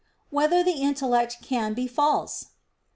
6] Whether the Intellect Can Be False?